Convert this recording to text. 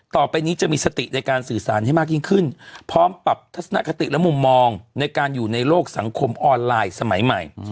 ต่อไปนี้จะมีสติในการสื่อสารให้มากยิ่งขึ้นพร้อมปรับทัศนคติและมุมมองในการอยู่ในโลกสังคมออนไลน์สมัยใหม่